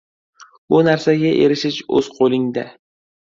Bu narsaga erishish oʻz qoʻlingda.